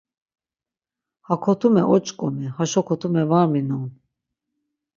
Ha kotume oç̌ǩomi, haşo kotume var minon.